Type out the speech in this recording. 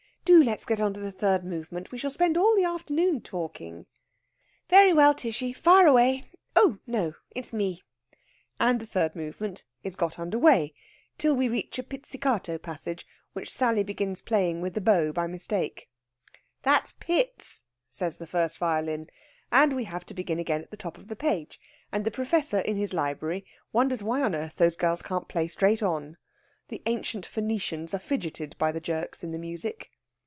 "Do let's get on to the third movement. We shall spend all the afternoon talking." "Very well, Tishy, fire away! Oh, no; it's me." And the third movement is got under way, till we reach a pizzicato passage which Sally begins playing with the bow by mistake. "That's pits!" says the first violin, and we have to begin again at the top of the page, and the Professor in his library wonders why on earth those girls can't play straight on. The Ancient Phoenicians are fidgeted by the jerks in the music.